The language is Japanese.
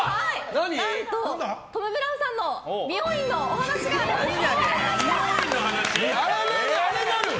何と、トム・ブラウンさんの美容院のお話があれなる？